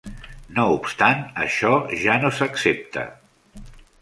No obstant, això ja no s'accepta.